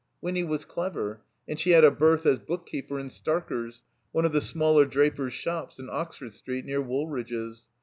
Winny was clever, and she had a berth as book keeper in Starker's, one of the smaller drapers' shops in Oxford Street, near Wool ridge's.